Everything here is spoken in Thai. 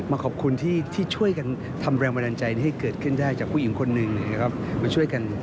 มาขอบคุณที่ช่วยกันทำแรงบันดาลใจให้เกิดขึ้นได้จากผู้หญิงคนหนึ่งนะครับมาช่วยกัน